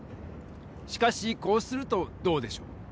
しかしこうするとどうでしょう？